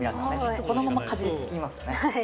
このまま、かじりつきますよね。